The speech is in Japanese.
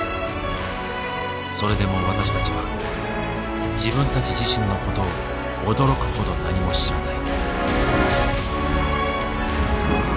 それでも私たちは自分たち自身のことを驚くほど何も知らない。